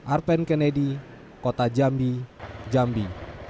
arven kennedy kota jambi jambi